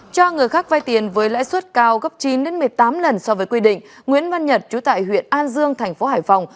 cho người khác vay tiền với lãi suất cao gấp chín một mươi tám lần so với quy định nguyễn văn nhật chú tại huyện an dương thành phố hải phòng